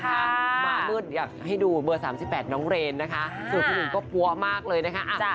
มามืดอยากให้ดูเบอร์๓๘น้องเรนนะคะส่วนพี่หนุ่มก็ปั๊วมากเลยนะคะ